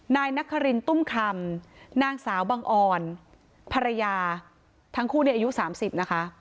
นายนักฮรินตุ้มคำนางสาวบางอรภรรยาทั้งคู่นี้อายุสามสิบนะคะ